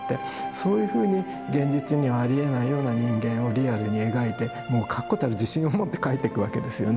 そういうふうに現実にはありえないような人間をリアルに描いてもう確固たる自信を持って描いていくわけですよね。